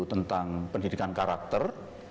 tentang pendidikan karakter